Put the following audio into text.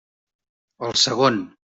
El segon.